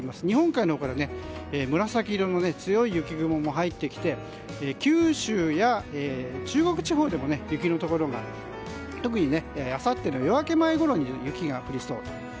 日本海のほうから紫色の強い雪雲も入ってきて、九州や中国地方でも雪のところが特にあさっての夜明け前ごろに雪が降りそうです。